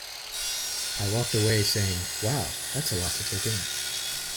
I walked away saying, 'Wow, that's a lot to take in.